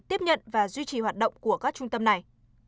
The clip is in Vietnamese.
tiếp nhận và duy trì hoạt động của các trung tâm này